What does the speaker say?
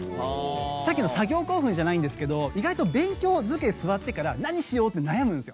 さっきの作業興奮じゃないんですけど意外と勉強机、座ってから何しようって迷うんです。